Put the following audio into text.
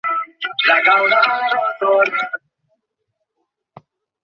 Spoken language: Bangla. তার পিতা ইয়াহিয়া সাদেক ছিলেন বাংলা সরকারের যুগ্ম কমিশনার।